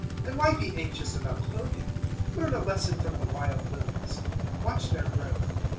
006:028 And why be anxious about clothing? Learn a lesson from the wild lilies. Watch their growth.